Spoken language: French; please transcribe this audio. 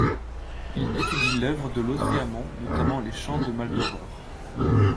Il étudie l'œuvre de Lautréamont, notamment les Chants de Maldoror.